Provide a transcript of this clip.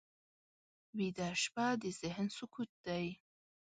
ویده شپه د ذهن سکوت دی